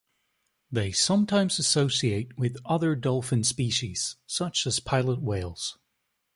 They sometimes associate with other dolphin species, such as pilot whales.